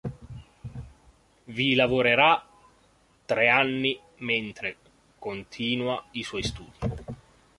Vi lavorerà tre anni mentre continua i suoi studi.